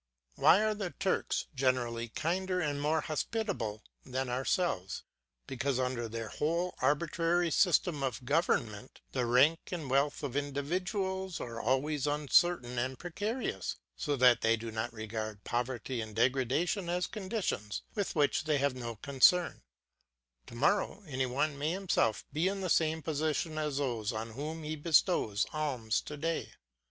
Why are the Turks generally kinder and more hospitable than ourselves? Because, under their wholly arbitrary system of government, the rank and wealth of individuals are always uncertain and precarious, so that they do not regard poverty and degradation as conditions with which they have no concern; to morrow, any one may himself be in the same position as those on whom he bestows alms to day.